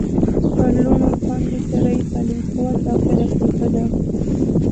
په لوڼو باندي شرعي تعلیم کول د آخرت توښه ده